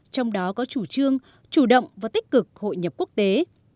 trong đó có chủ trương chủ động và tích cực hội nhập quốc tế